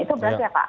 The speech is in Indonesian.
itu berarti apa